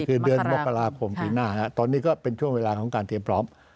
คือเดือนมกราคมปีหน้าตอนนี้ก็เป็นช่วงเวลาของการเตรียมพร้อม